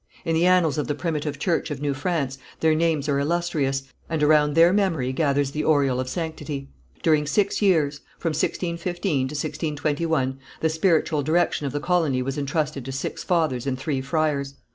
In the annals of the primitive church of New France, their names are illustrious, and around their memory gathers the aureole of sanctity. During six years, from 1615 to 1621, the spiritual direction of the colony was entrusted to six fathers and three friars.